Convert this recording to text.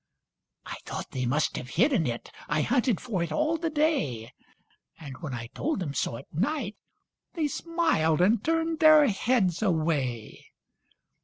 I thought they must have hidden it, I hunted for it all the day, And when I told them so at night They smiled and turned their heads away.